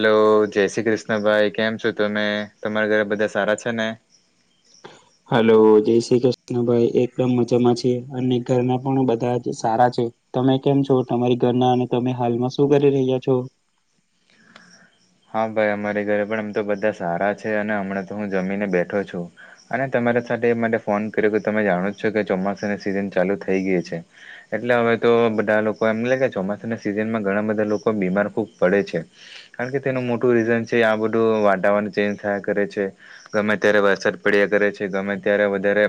Hello, જય શ્રી કૃષ્ણ ભાઈ. કેમ છો તમે? તમારા ઘરે બધા સારા છે ને? હ. હલો, જય શ્રી કૃષ્ણ ભાઈ. એકદમ મજામાં છીએ અને ઘરના પણ બધા જ સારા છે. તમે કેમ છો? તમારી ઘરના અને તમે હાલમાં શું કરી રહ્યા છો? હા ભાઈ અમારે ઘરે પણ આમ તો બધા સારા છે અને હમણાં તો હું જમીને બેઠો છું. અને તમારા સાથે માટે ફોન કર્યો કે તમે જાણો છો કે ચોમાસાની સિઝન ચાલુ થઇ ગય છે. એટલે હવે તો બધા લોકો એમ લે ચોમાસાના સિઝનમાં ઘણા બધા લોકો બીમાર ખૂબ પડે છે. કારણ કે તેનું મોટું રીઝન છે આ બધું વાતાવરણ ચેન્જ થયા કરે છે. ગમે ત્યારે વરસાદ પડ્યા કરે છે ગમે ત્યારે વધારે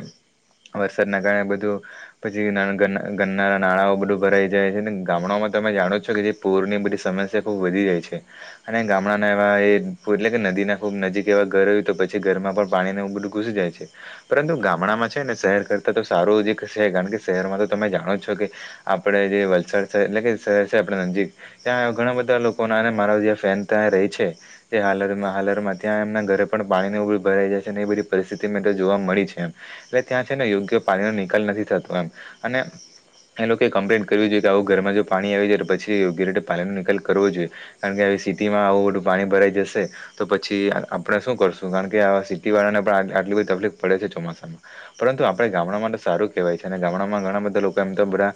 વરસાદના કારણે બધું. પછી ગ ગન્નારા નાણાંઓ બધું ભરાઈ જાય છે ને ગામડાઓમાં તમે જાણો છો કે જે પૂર ની બધી સમસ્યા ખુબ વધી જાય છે. અને ગામડાના એવા પૂર એટલે કે નદી ના ખુબ નજીક એવા ઘર હોય તો પછી ઘરમાં પણ પાણી ને એવું બધું ઘુસી જાય છે. પરંતુ ગામડામાં છે ને શેહેર કરતા તો સારું જ એક હસે કારણ કે શેહેરમાં તો તમે જાણો જ છો કે આપડે જે વલસાડ એટલે કે શેહેર છે આપડા નજીક, ત્યાં ઘણા બધા લોકો ના અને મારા જે ફેન ત્યાં રેહ છે તે હાલરમાં હાલરમાં ત્યાં એમના ઘરે પણ પાણી ને એવું બધું ભરાઈ જાય છે ને એ બધી પરિસ્થિતિ મે તો જોવા મળી છે એમ. એટલે ત્યાં છે ને યોગ્ય પાણી નો નિકાલ નથી થતો એમ અને એ લોકો એ કમ્પ્લેન કરવી જોઈએ કે આવો ઘરમાં જો પાણી આવી જાય અને પછી ઘેરેટે પાણીનો નિકાલ કરવો જોઈએ. કારણ કે આવી સિટી માં આવું બધું પાણી ભરાઈ જશે તો પછી આપણે શું કરશું કારણ કે આ સીટી વાળાને પણ આ આટલી બધી તકલીફ પડે છે ચોમાસામાં. પરંતુ આપડે ગામડામાં તો સારું કેવાય છે અને ગામડામાં ઘણા બધા લોકો એમ તો બધા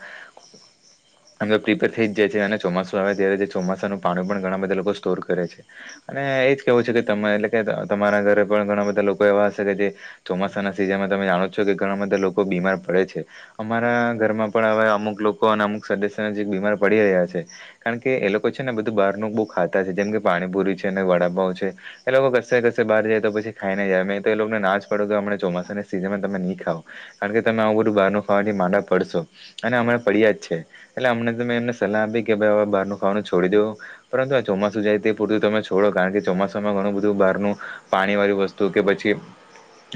અમ તો પ્રિપેર થઈ જાય છે અને ચોમાસું આવે ત્યારે ચોમાસા નું પાણું પણ ઘણા બધા લોકો સ્ટોર કરે છે. અને એજ કેવું છે કે તમે એટલે કે તમારા ઘરે પણ ઘણા બધા લોકો એવા હશે કે જે ચોમાસાના સિઝનમાં તમે જાણો જ છો કે ઘણા બધા લોકો બીમાર પડે છે. અમારા ઘરમાં પણ હવે અમુક લોકો અને અમુક સદસ્ય હજી બીમાર પડી રહ્યા છે. કારણ કે એ લોકો છે ને બધું બાર નું બો ખાતા છે જેમ કે પાણીપુરી છે ને વડાપાઉ છે. એ લોકો કશે કશે બહાર જાય તો પછી ખાઈને જ આવે, મેં તો એ લોકોન ના જ પડો કે હમ ચોમાસાની સીઝનમાં તમે ની ખાઓ. કારણ કે તમે આવું બધું બહારનું ખાવાથી માંદા પડશો અને અમારે પડ્યા જ છે. એટલે અમને તો મેં એમને સલાહ આપી કે ભાઈ હવે બારનું ખાવાનું છોડી દેઓ પરંતુ ચોમાસું જાય ત્યાં સુધી તમે છો, કારણ કે ચોમાસામાં ઘણું બધું બહારનું કામ હોય છે. પાણીવાળી વસ્તુ કે પછી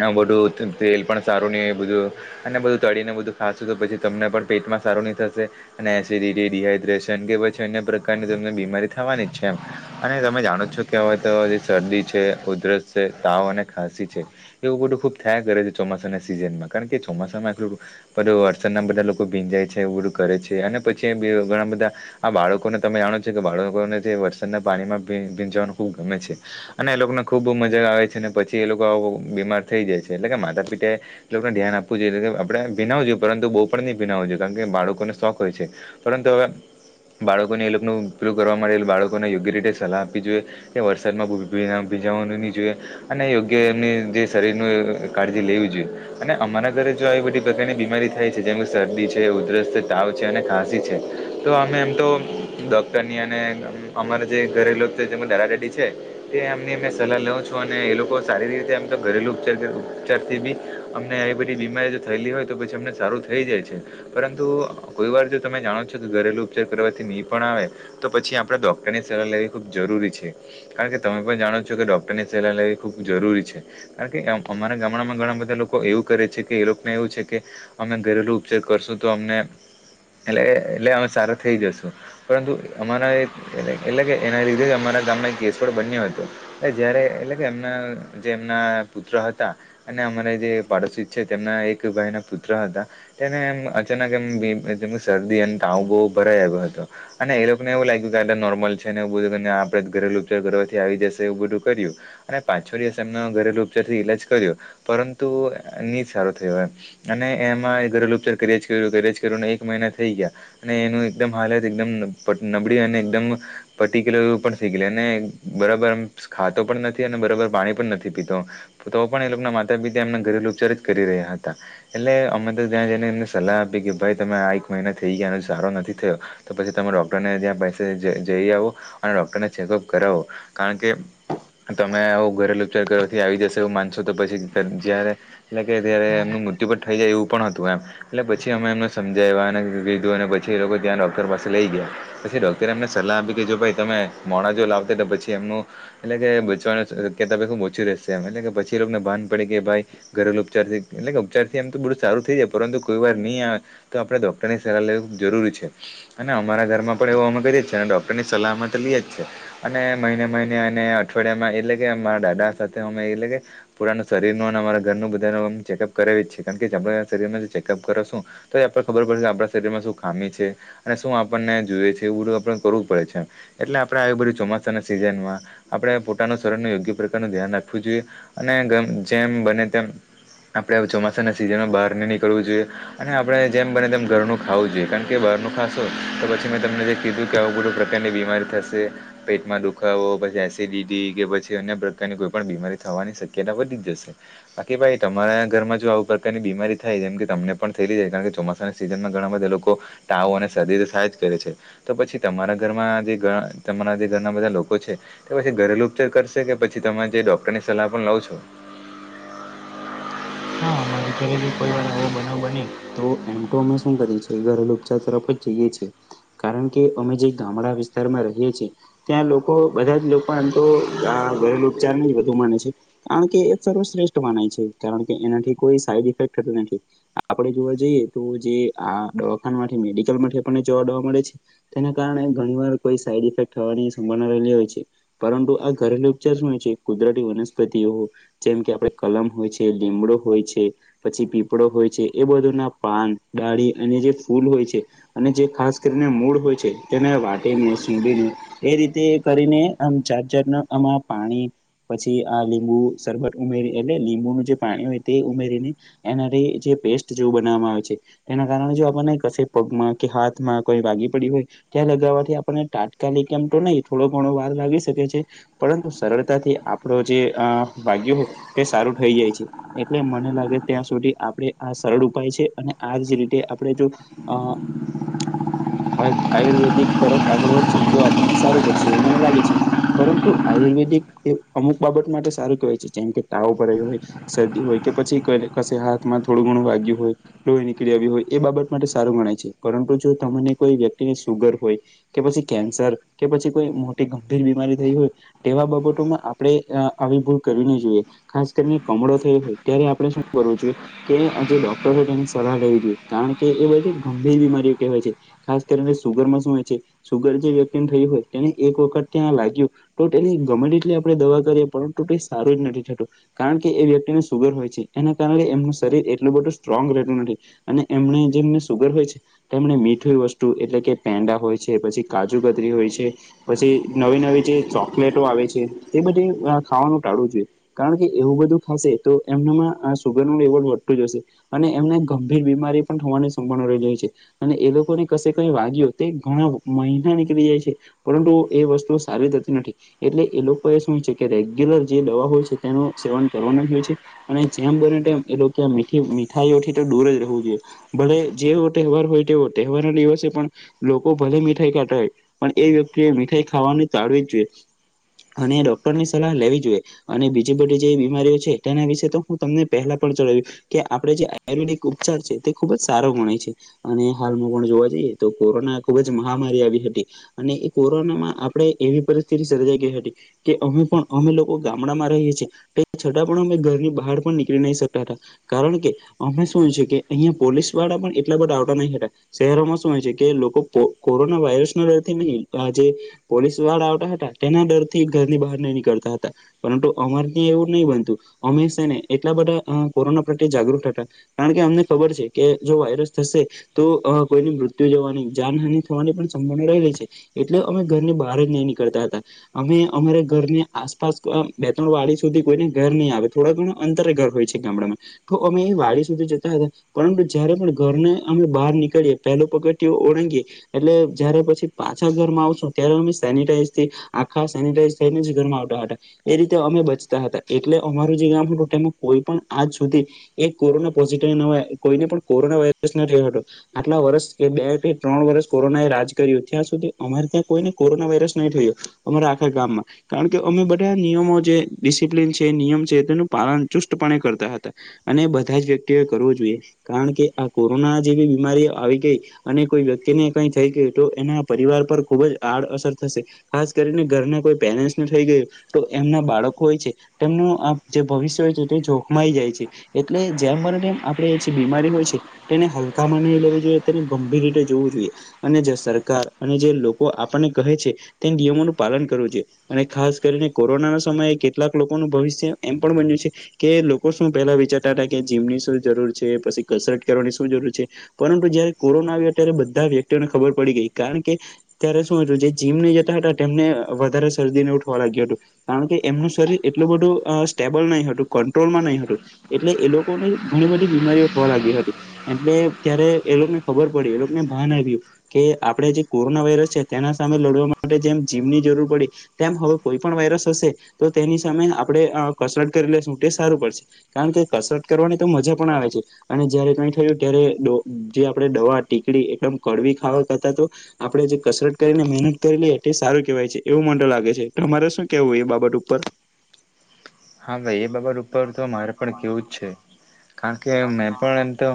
આ બધું તેલ પણ સારું નહીં, બધું... અને બધું તળેલું ખાશું, તો પછી તમને પણ પેટમાં સારું નહીં થાશે અને એસિડિટી, ડિહાઇડ્રેશન કે પછી અન્ય પ્રકારની તમે બીમારી તમને થવાની જ છે. અને તમે જાણો છો કે હવે તો શરદી છે ઉધરસ છે તાવ અને ખાંસી છે. એવું બધું ખુબ થયા કરે છે ચોમાસાની સિઝનમાં ખૂબ થાય છે, કારણ કે ચોમાસામાં આટલું... બધા લોકો વરસાદમાં ભીંજાય છે, એવું બધું કરે છે અને પછી ઘણા બધા... આ બાળકોને તમે જાણો છો કે બાળકોને... જેને વરસાદના પાણીમાં ભીંજાવું ખૂબ ગમે છે અને એ લોકોને ખૂબ... બહુ મજા આવે છે અને પછી એ લોકો બીમાર થઈ જાય છે. એટલે કે માતા-પિતાએ... એને ધ્યાન આપવું જોઈએ. આપણે ભીંજાવું, પરંતુ બહુ નહીં પણ ના ભીંજાવું જોયે કારણ કે બાળકોને શોખ હોય છે. પરંતુ હવે બાળકોને એ લોકો ઉપર કરવામાં નાના બાળકોને યોગ્ય રીતે સલાહ આપવી જોઈએ કે વરસાદમાં વધારે ભીંજાવું જોઈએ નહીં. અને યોગ્ય એમને શરીરની કાળજી લેવી જોઈએ. અને અમારા ઘરે જો આવી બધી પ્રકારની બીમારીઓ થાય, જેમ કે શરદી, ઉધરસ, તાવ છે અને ખાંસી છે તો અમે આમતો ડૉક્ટર ની અને ઘરે જેમ દાદા-દાદી છે... તેમની સલાહ લઉં છું, અને એ લોકો સારી રીતે ઘરેલું ઉપચાર [inaudible] અમને આવી કોઈ બીમારી થઈ હોય, તો પછી અમે સારા થઈ જઈએ છીએ. પરંતુ કોઈવાર, જો તમે જાણો છો કે ઘરેલું ઉપચાર કરવાથી ની પણ આવે તો પછી... આપણે ડૉક્ટરની સલાહ લેવી ખૂબ જરૂરી છે. કારણ કે તમે પણ જાણો છો કે ડૉક્ટરની સલાહ લેવી ખૂબ જરૂરી છે. કારણ કે અમારા ગામડામાં ઘણા બધા લોકો એવું કરે છે કે, એ લોકોને એવું છે કે... અમે ઘરેલું ઉપચાર કરીશું તો અમને... એટલે અમે સારાં થઈ જઈશું, પરંતુ અમારા એટલે કે, એના લીધે જ અમારા ગામમાં કેસ પણ બન્યો હતો. જ્યારે એટલે કે, એમના જે પુત્ર હતા અને અમારા જે પાડોશી છે, તેમના એક ભાઈના પુત્ર હતા. તેમને અચાનક શરદી અને તાવ ખૂબ વધી ગયો હતો. અને એ લોકોને એવું લાગ્યું એટલે નોર્મલ છે ને, એવું બધું માનીને આપણે ઘરેલું ઉપચાર કરવાથી આવી જશે એવું બધું કર્યું. અને પછી બે દિવસ એમનો ઘરેલું ઉપચારથી ઈલાજ કર્યો, પરંતુ તે સારો થયો નહીં. અને તેમાં ઘરેલું ઉપચાર કર્યા જ કર્યા, એક મહિનો થઈ ગયો. અને એની એકદમ હાલત એકદમ નબળી અને [inaudible] પર્ટિક્યુલરલી ઉપર અને બરાબર ખાતો પણ નથી અને બરાબર પાણી પણ નથી પીતો. તો પણ એમના માતા-પિતા એમનો ઘરેલું ઉપચાર જ કરી રહ્યા હતા. એટલે અમે તો ત્યાં જઈને એમને સલાહ આપી કે, ભાઈ તમે એક મહિના થઈ ગયા છતાં પણ સારા નથી થયો તો પછી તમે ડૉક્ટરને ત્યાં ગિયા બસ. જઈ આવો અને ડૉક્ટરને ચેકઅપ કરાવો, કારણ કે તમે આવું ઘરેલું ઉપચાર કરવાથી આવી જશે એવું માનશો, તો પછી જ્યારે... એટલે કે જ્યારે એમનું મૃત્યુ પણ થઈ જાય એવું પણ હતું એમ. એટલે પછી અમે એમને સમજાવ્યા અને કહ્યું. પછી એ લોકો તેમને ડૉક્ટર પાસે લઈ ગયા, પછી ડૉક્ટરે એમને સલાહ આપી કે, જો ભાઈ તમે મોડા લાવ્યા હોત તો પછી એમનું એટલે કે બચવાની શક્યતા ખૂબ ઓછી રહેશે એમ. પછી તેમને ભાન પડે કે ભાઈ ઘરેલું ઉપચારથી એટલે કે ઉપચારથી એમ તો બધું સારું થઈ જાય, પરંતુ કોઈવાર ની આવે તો આપણે ડૉક્ટરની સલાહ લેવી જરૂરી છે, અને અમારા ઘરમાં પણ એવું કરીએ અને ડૉક્ટરની સલાહ લીધી છે. અને મહિને મહિને અને અઠવાડિયામાં એટલે કે, મારા દાદા સાથે અમે એટલે કે પુરાન શરીર નો અને અમારા ઘરનું બધા ચેકઅપ કરાવી જ છે, કારણ કે આપે શરીરમાં ચેકઅપ કરો છું. તો એ આપડને ખબર પડશે આપણા શરીર માં શું ખામી છે અને શું આપણને જોએ છે. એવું તો આપણે કરવું જ પડે છે. એટલે આપણેે આવી બધી ચોમાસાના સિઝન માં આપડે પોતાનું શરીર નું યોગ્ય પ્રકારનું ધ્યાન રાખવું જોઈએ. અને ગ જેમ બને તેમ આપણે ચોમાસાના સીઝનમાં બાર ન નીકળવું જોઈએ. અને આપણે જેમ બને તેમ ઘરનું ખાવું જોઈએ કાણ કે બહારનું ખાશો તો પછી મેં તમને કીધું કે આવુ બધું પ્રકારની બીમારી થશે. પેટમાં દુખાવો પછી એસિડિટી, કે પછી અન્ય પ્રકારની કોઈ પણ બીમારી થવાની શક્યતા વધી જ જશે. બાકી ભાઈ તમારા ઘરમાં જો આવુ પ્રકારની બીમારી થાય જેમ કે તમને પણ થયલી જાય કાણ કે ચોમાસા સિઝનમાં ઘણા બધા લોકો તાવ અને શરદી તો થાય જ કરે છે. તો પછી તમારા ઘરમાં જે તમારા જે ઘરના બધા લોકો છે. પછી ઘરેલુ ઉપચાર કરશે કે પછી તમે જે ડોક્ટર ની સલાહ પણ લવ છો? હા મારી ઘરે જો કોઈ વાર આવો બનાવ બને. તો એમ તો અમે શું કરીએ છે ઘરેલુ ઉપચાર તરફ જઈએ છીએ. કારણ કે અમે જે ગામડા વિસ્તારમાં રહીએ છીએ. ત્યાં લોકો બધા જ લોકો આમ તો ઘરેલો ઉપચાર ને જ વધુ માને છે. કારણ કે એ સર્વશ્રેષ્ઠ માનાય છે કારણ કે એનાથી કોઈ સાઈડ ઇફેક્ટું નથી. આપણે જોવા જઈએ તો જે આ દવાખાનમાંથી મેડિકલ માટેથી આપણને જોવા દવા મળે છે. તેના કારણે ઘણી વાર કોઈ સાઈડ ઇફેક્ટ થવાની સંભાવના રહેલી હોય છે. પરંતુ આ ઘરેલુ ઉપચાર શું છે કુદરતી વનસ્પતિઓ જેમ કે આપડે કલમ હોય છે. લીમડો હોય છે. પછી પીપળો હોય છે એ બધું ના પાન, ડાળી અને જે ફૂલ હોય છે. અને જે ખાસ કરીને મૂળ હોય છે તેને વાટીને, સૂડીને એ રીતે કરીને આમ જાત જાત ના આમાં પાણી પછી આ લીંબુ સરવત ઉમેરી એટલે લીંબુનું જે પાણી હોય તે ઉમેરીને એનાથી જે પેસ્ટ જેવું બનાવવામાં આવે છે. તેના કારણે જો આપણને કશે પગમાં કે હાથમાં કોઈ વાગી પડી હોય. ત્યાં લગાવવાથી આપણને તાત્કાલિક એમ તો નહી થોડો ઘણો વાર લાગી શકે છે. પરંતુ સરળતાથી આપણો જે વાાગ્યો તે સારું થઈ જાય છે. એટલે મને લાગે ત્યાં સુધી આપણે આ સરળ ઉપાય છે અને આજ રીતે આપણે જો અ. હવે આયુર્વેદિક તરફ આગળ વધશું તો આપણને સારું પડશે એવું મને લાગે છે. પરંતુ આયુર્વેદિક એ અમુક બાબત માટે સારું કેહેવાય છે જેમ કે તાવ ભરાયો હોય. શરદી હોય કે પછી કઈ હાથમાં થોડું ઘણું વાગ્યું હોય. લોહી નીકળી આવી હોય એ બાબત માટે સારું ગણાય છે. પરંતુ જો તમને કોઈ વ્યક્તિને સુગર હોય કે પછી કેન્સર કે પછી કોઈ મોટી ગંભીર બીમારી થઈ હોય તેવા બાબતોમાં આપણે આવી ભૂલ કરવી ને જોઈએ, ખાસ કરીને કમળો થયો હોય ત્યારે આપણે શું કરવુ જોઈ. કે આજે ડોક્ટરો તેની સલાહ લેવી જોઈએ. કારણ કે એ બધી ગંભીર બીમારીઓ કહેવાય છે. ખાસ કરીને સુગર માં શું હોય છે, સુગર જે વ્યક્તિને થયું હોય તેને એક વખત ત્યાં લાગ્યું તો એની ગમે એટલી આપણે દવા કરીએ પરંતુ એ સારું જ નથી થતું. કારણ કે કે એ વ્યક્તિને સુગર હોય છે એના કારણે એમનું શરીર એટલું બધું સ્ટ્રોંગ રહેતું નથી. અને એમને જેમની સુગર હોય છે. તેમણે મીઠું વસ્તુ એટલે કે પેંડા હોય છે પછી કાજુ કતરી હોય છે. પછી નવી નવી જે ચોકલેટો આવે છે તે બધી ખાવાનું ટાળવું જોઈએ. કારણ કે એવું બધું ખાશે તો એમનામાં સુગર નુ લેવલ વધતું જ હશે. અને એમને ગંભીર બીમારી પણ થવાની સંભાવના રહી હોઈ છે. અને એ લોકોને કશે કઈ વાગ્યો તે ઘણા મહિના નીકળી જાય છે પરંતુ એ વસ્તુ સારી જતી નથી. એટલે એ લોકો એ શું છે કે રેગ્યુલર જે દવા હોય છે તેનું સેવન કરવાના જ હોય છે અને જેમ બ એ કે મીઠાઈઓ થી તો દૂર જ રહેવું જોઈએ. ભલે જેવો તહેવાર હોય તેવો તહેવાર ના દિવસે પણ. લોકો ભલે મીઠાઈ કાતાાય પણ એ વ્યક્તિ એ મીઠાઈ ખાવાનું ટળવી જોઈએ. અને ડોક્ટર ની સલાહ લેવી જોઈએ અને બીજી બધી જે. કરે છે તેના વિશે તો હું તમને પહેલા પણ જણાવ કે આપડે જે આયુર્વેદિક ઉપચાર છે તે ખુબ જ સારો ગણે છે. અને હાલમાં પણ જોવા જઈએ તો કોરોના ખુબ જ મહામારી આવી હતી. અને એ કોરોના માં આપણે એવી પરિસ્થિતિ સર્જાઈ ગઈ હતી. કે અમે પણ અમે લોકો ગામડા માં રહીએ છીએ. છતાં પણ અમે ઘરની બહાર પણ નીકળી નહી શકતા હતા. કારણ કે અમે શું છે કે અહીયાં પોલીસ વાળા પણ એટલા બધા ડઉટા નાહી હતા. શહેરોમાં શું હોય છે કે લોકો કો કોરોના વાયરસના લથી નહી આજે. પોલીસ વાળા આવતા હતા તેના ડરથી ઘરની બહાર નહી નીકળતા હતા પરંતુ અમાર ત એવું. નહી બનતું અમે છે ને એટલા બધા કોરોના પ્રત્યે જાગૃત હતા. કારણ કે અમને ખબર છે કે જો વાયરસ થશે. તો કોઈની મૃત્યુ જવાની જાનહાની થવાની પણ સંભાવના રહી રહી છે. એટલે અમે ઘરની બહાર જ નહી નીકળતા હતા. અમે અમારે ઘરની આસપાસ બે ત્રણ વાડી સુધી. કોઈને ઘર નહીં આવે થોડા ઘણા અંતરે ઘર હોય છે ગામડામાં તો અમે એ વાડી સુધી જતા હતા. પરંતુ જયારે પણ ઘરને અમે બહાર નીકળીએ પહેલો પગડ ઓળંગીએ એટલે જયારે પછી પાછા ઘરમાં આવશું ત્યારે અમે સેનિટાઈઝ થી આખા સેનિટાઈઝ થઈને જ ઘરમાં આવતા હતા એ રીતે અમે બચતા હતા. એટલે અમારું જે ગામ હતું તેમાં કોઈ પણ આજ સુધી એ કોરોના પોઝિટ કોઈને પણ કોરોના વાયરસ ના રહ હતો. આટલા વર્ષ કે બે કે ત્રણ વર્ષ કોરોના એ રાજ કર્યું ત્યાં સુધી અમારે ત્યાં કોઈને કોરોના વાયરસ નહી થયો. અમારા આખા ગામમાં કારણ કે અમે બધા નિયમો જે. [unintelligible] છે નિયમ છે તેનું પાલન ચુસ્તપણે કરતા હતા અને બધા જ વ્યક્તિઓએ કરવું જોઈએ. કારણ કે આ કોરોના જેવી બીમારી આવી ગઈ. અને કોઈ વ્યક્તિને કઈ થઈ ગય તો એના પરિવાર પર ખુબ જ આડઅસર થશે. ખાસ કરીને ઘરના કોઈ પેરેન્ટ્સ ન થઈ ગયું તો એમના બાળકો હોય છે. તેમનું આ જે ભવિષ્ય હોય છે તે જોખમાઈ જાય છે. એટલે જેમ મમ આપડે જે બીમારી હોય છે. તેને હલકામાં નઈ લેવી જોઈએ તેને ગંભીર રીતે જોવું જોઈએ. અને જે સરકાર અને જે લોકો આપણને કહે છે. તે નિયમોનું પાલન કરવું જોઈએ અને ખાસ કરીને કોરોનાના સમયે કેટલાક. લોકોનું ભવિષ્ય એમ પણ બન્યું છે. કે લોકો શું પહેલા વિચારતા હતા કે જીમ ની શું જરૂર છે પછી કસરત કરવાની શું જરૂર છે? પરંતુ જયારે કોરોના આવ્યા ત્યારે બધા વ્યક્તિઓને ખબર પડી ગઈ કારણ કે ત્યારે શું હતું જે જીમને જતા હતા તેમને વધારે શરદી ને ઉઠવા લાગ્યું હતું. કારણ કે એમનું શરીર એટલું બધું સ્ટેબલ નહી હતું કંટ્રોલમાં નહી હતું. એટલે એ લોકો ને ઘણી બધી બીમારીઓ થવા લાગી હતી. એટલે ત્યારે એ લોકોને ખબર પડી એ લોકોને ભાન આવ્યું. કે આપણેે જે કોરોના વાયરસ છે તેના સામે લડવા માટે જેમ જીવની જરૂર પડી. તેમ હવે કોઈ પણ વાયરસ હશે તો તેની સામે આપણે કસરત કરી લ શટે સારું પડશે. કારણ કે કસરત કરવાની તો મજા પણ આવે છે. અને જયારે કઈ થયું ત્યારે જે આપણે દવા ટીકડી એકદમ કડવી ખાવા કરતા તો. આપડે જે કસરત કરીને મહેનત કરી લઈ એટલે સારું કેહેવાય છે એવું મન લાગે છે તમારે શું કેવું એ બાબત ઉપર. હા ભાઈ એ બાબત ઉપર તો મારે પણ કેવું જ છે કારણ કે મેં પણ એમ તો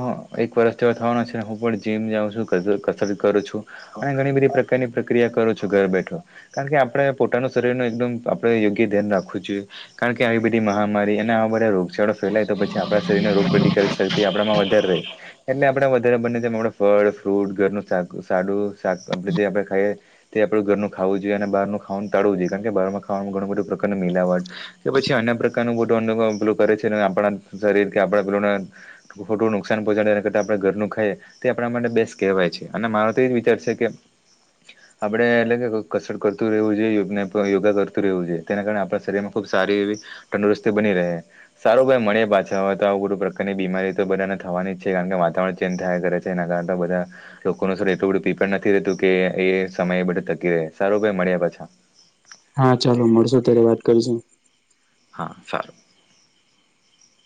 એક વર્ષ તોવા થવાનો છે ને હું પણ જીમ જાઉં છું કસરત કરું છું. અને ઘણી બધી પ્રકારની ક્રિયા કરો છો ઘર બેઠો કારણ કે આપણેે પોતાનું શરીર નું એકદમ આપડે યોગ્ય ધ્યાન રાખવું જોઈએ કારણ કે આવી બધી મહામારી અને આ બધા રોગચાળો ફેલાય તો પછી આપણા શરીરને રોગપ શક્તિ આપણામાં વધારે રહી. એટલે આપડે વધારે બંને તેમ આપડે ફળ ફ્રૂટ ઘરનું સા સાડું. શાક આપડે જે આપડે ખાઈએ તે આપણું ઘરનું ખાવું જોઈએ અને બહારનું ખવાનું ટાળવું જોઈએ કારણ બાર માં ખવાનું ઘણું બધૂ પ્રકારને મિલાવાય. કે પછી અન્ય પ્રકારનું મોટું અનુ પેલું કરે છે આપણા શરીર કે આપણા પેલુંના. ખોટું નુકસાન પહોચાડે એના કરતા આપણે ઘરનું ખાઈ. તે આપણા માટે બેસ કહેવાય છે અને મારો તો એજ વિચાર છે કે. આપડે એટલે કસર કરતું રહેવુ જોઈએ યોગા કરતું રહેવ જોઈ તેના કારણે આપણા શરીર માં ખૂબ સારી આવી તંદુરસ્તી બની રહે. સારું ભાઈ મળીયે પાછા હવે તો આવુ બધું પ્રકારની બીમારી તો બધાને થવાની જ છે કારણ કે વાતાવરણ ચેન્જ થયા કરે છે. તેના કારણે બધા. લોકો ન શરીર એટલું બધું પ્રીપેર નથી રહેતું કે એ સમય એ બધો તકી રહે સારો ભાઈ મળીએ પાછા. હા ચલો મળશો ત્યારે વાત કરીશું. હા સારું.